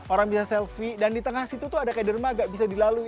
orang bisa selfie dan di tengah situ tuh ada kayak derma gak bisa dilalui